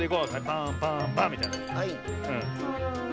パンパンパンみたいな。